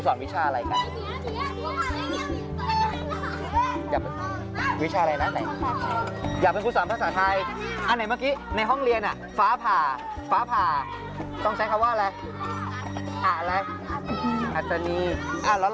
คุณผู้ชมอาจจะสงสัยอ้าวไม่ใช่มีผู้ชายคนหนึ่งผู้หญิงคนหนึ่งเหรอผู้หญิงทั้งคู่ครับเพียงแต่ว่าน้องชอบตัดผมสั้นคนหนึ่งนี่นะฮะ